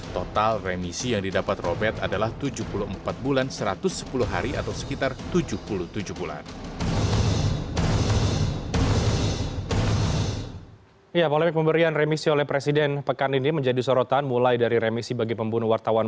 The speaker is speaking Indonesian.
total remisi yang didapat robert adalah tujuh puluh empat bulan satu ratus sepuluh hari atau sekitar tujuh puluh tujuh bulan